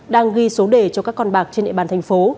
đang ghi số đề cho các con bạc trên địa bàn thành phố